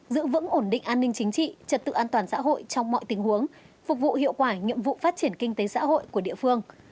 giữ vững ổn định an ninh chính trị trật tự an toàn xã hội trong mọi tình huống phục vụ hiệu quả nhiệm vụ phát triển kinh tế xã hội của địa phương